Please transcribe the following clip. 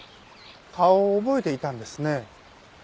顔を覚えていたんですね。